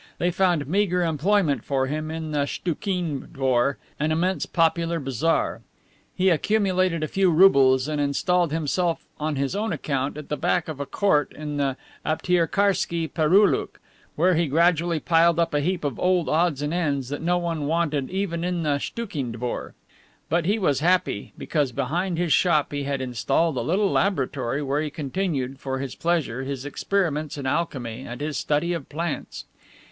They found meager employment for him in the Stchoukine dvor, an immense popular bazaar. He accumulated a few roubles and installed himself on his own account at the back of a court in the Aptiekarski Pereoulok, where he gradually piled up a heap of old odds and ends that no one wanted even in the Stchoukine dvor. But he was happy, because behind his shop he had installed a little laboratory where he continued for his pleasure his experiments in alchemy and his study of plants.